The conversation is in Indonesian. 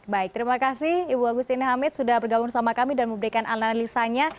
baik terima kasih ibu agustina hamid sudah bergabung sama kami dan memberikan analisanya